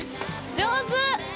◆上手！